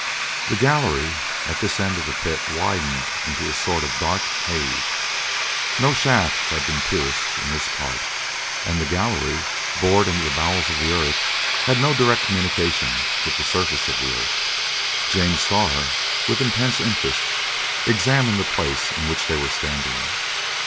The gallery at this end of the pit widened into a sort of dark cave. No shaft had been pierced in this part, and the gallery, bored into the bowels of the earth, had no direct communication with the surface of the earth. James Starr, with intense interest, examined the place in which they were standing.